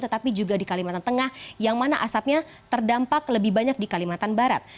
tetapi juga di kalimantan tengah yang mana asapnya terdampak lebih banyak di kalimantan barat